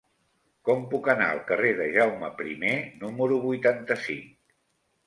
Com puc anar al carrer de Jaume I número vuitanta-cinc?